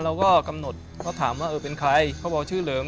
เราก็กำหนดเขาถามว่าเออเป็นใครเขาบอกชื่อเหลิม